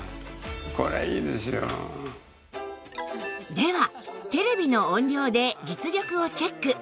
ではテレビの音量で実力をチェック